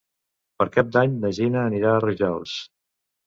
Per Cap d'Any na Gina anirà a Rojals.